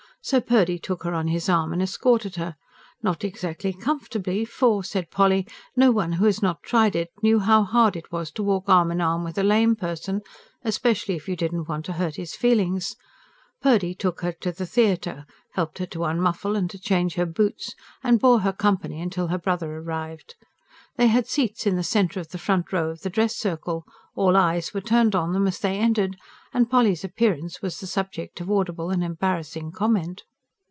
So Purdy took her on his arm and escorted her not exactly comfortably; for, said Polly, no one who had not tried it, knew how hard it was to walk arm in arm with a lame person, especially if you did not want to hurt his feelings Purdy took her to the theatre, helped her to unmuffle and to change her boots, and bore her company till her brother arrived. They had seats in the centre of the front row of the dress circle; all eyes were turned on them as they entered; and Polly's appearance was the subject of audible and embarrassing comment.